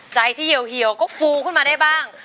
ใจที่เหี่ยวก็ฟูขึ้นมาได้บ้าง